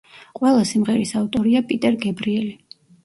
ყველა სიმღერის ავტორია პიტერ გებრიელი.